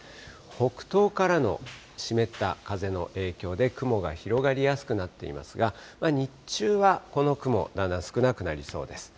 北東からの湿った風の影響で、雲が広がりやすくなっていますが、日中はこの雲、だんだん少なくなりそうです。